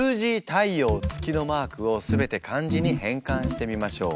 太陽月のマークを全て漢字に変換してみましょう。